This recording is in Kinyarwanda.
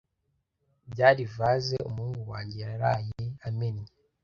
Byari vase umuhungu wanjye yaraye amennye.